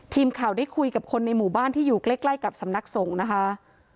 ทีมข่าวได้คุยกับคนในหมู่บ้านที่อยู่ใกล้กับสำนักสงฆ์นะคะ